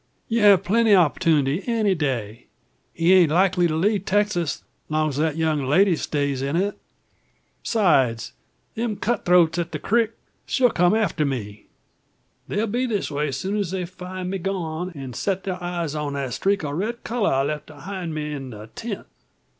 You'll have plenty opportunities any day. He aint likely to leave Texas, long's that young lady stays in it. Besides, them cut throats at the creek, sure come after me. They'll be this way soon's they find me gone, an' set their eyes on that streak o' red colour I left ahind me in the tent.